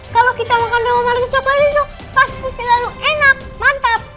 kalau kita makan roma maluk coklat itu pasti selalu enak mantap